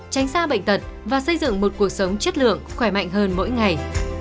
tránh xa bệnh tật và xây dựng một cuộc sống chất lượng khỏe mạnh hơn mỗi ngày